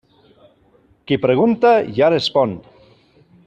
Qui pregunta, ja respon.